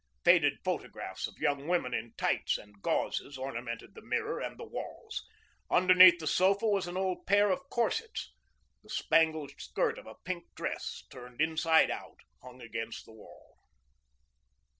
Faded photographs of young women in tights and gauzes ornamented the mirror and the walls. Underneath the sofa was an old pair of corsets. The spangled skirt of a pink dress, turned inside out, hung against the wall.